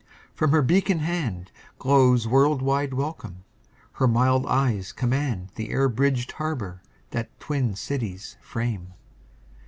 From her beacon hand Glows world wide welcome; her mild eyes command The air bridged harbor that twin cities frame.